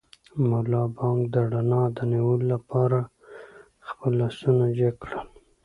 ملا بانګ د رڼا د نیولو لپاره خپل لاسونه جګ کړل.